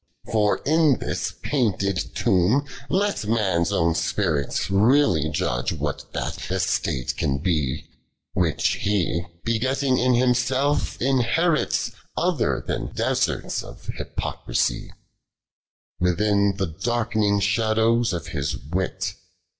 OF SELTOIOIT. For in this painted tomb, let man's own iinrit Beally judge, what that estate oan be Which he hegetting in himaelf inherits, Other then desbbts of Hypoorisie : Within the daifcning ghadowB of his wit.